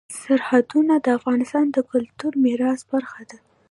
سرحدونه د افغانستان د کلتوري میراث برخه ده.